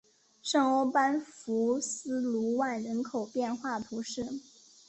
圣欧班福斯卢万人口变化图示